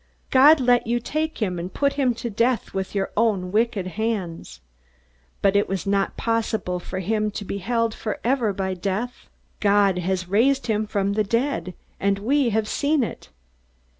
God let you take him and put him to death with your own wicked hands. But it was not possible for him to be held forever by death. God has raised him up from the dead, and we have seen it!